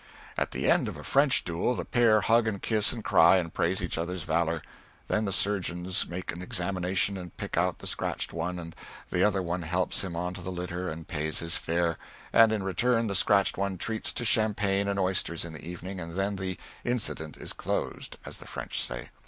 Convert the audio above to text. At the end of a French duel the pair hug and kiss and cry, and praise each other's valor; then the surgeons make an examination and pick out the scratched one, and the other one helps him on to the litter and pays his fare; and in return the scratched one treats to champagne and oysters in the evening, and then "the incident is closed," as the French say.